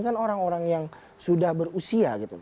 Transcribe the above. kan orang orang yang sudah berusia gitu